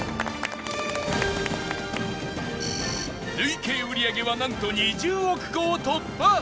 累計売り上げはなんと２０億個を突破！